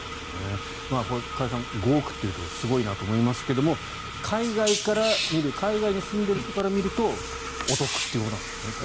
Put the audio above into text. これ、加谷さん５億というとすごいなと思いますが海外に住んでいる人から見るとお得ということなんですね。